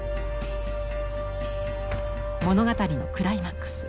物語のクライマックス。